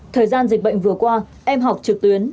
thời gian dịch bệnh vừa qua em học trực tuyến